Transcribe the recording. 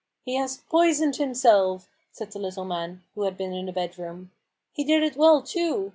" He has poisoned himself," said the little man, who had been in the bedroom, "he did it well, too